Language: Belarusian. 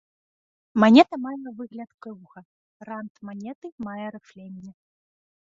Манета мае выгляд круга, рант манеты мае рыфленне.